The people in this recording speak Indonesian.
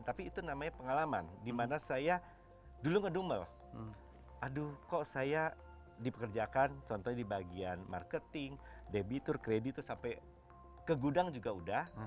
tapi itu namanya pengalaman dimana saya dulu ngedumel aduh kok saya dipekerjakan contohnya di bagian marketing debitur kredit terus sampai ke gudang juga udah